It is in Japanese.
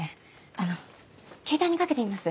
あのケータイにかけてみます。